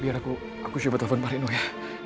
biar aku aku siap nge telepon pak reno ya